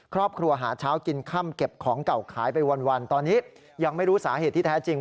ครอบครัวหาเช้ากินค่ำเก็บของเก่าขายไปวันตอนนี้ยังไม่รู้สาเหตุที่แท้จริง